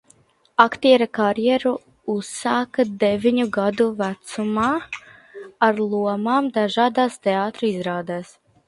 Aktiera karjeru uzsāka deviņu gadu vecumā ar lomām dažādās teātra izrādēs.